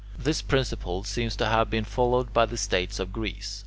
This principle seems to have been followed by the states of Greece.